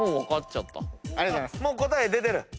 もう答え出てる？